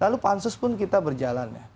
lalu pak ansus pun kita berjalan